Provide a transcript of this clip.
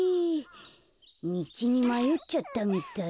みちにまよっちゃったみたい。